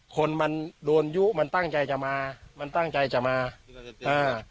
คนมันโดนยุมันตั้งใจจะมามันตั้งใจจะมาอ่า